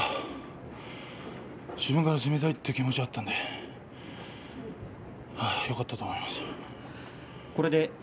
自分から攻めたいという気持ちがあったのでよかったと思います。